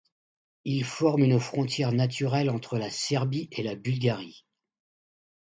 Il forme une frontière naturelle entre la Serbie et la Bulgarie.